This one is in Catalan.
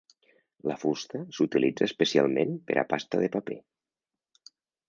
La fusta s'utilitza especialment per a pasta de paper.